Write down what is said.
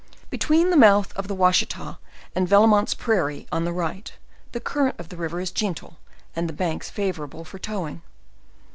Between the mouth of the Washita and Vellemont's prairie on the right, the current of the river is gentle, and the banks favorable for towing.